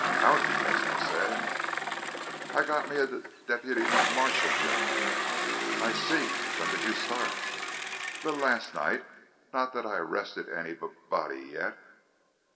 "Howdy," Tesno said. "I got me a d d deputy m marshal job." "I see. When did you start?" "L last night. Not that I arrested anyb body yet."